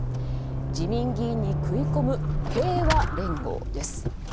自民議員に食い込む平和連合です。